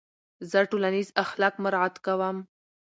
زه ټولنیز اخلاق مراعت کوم.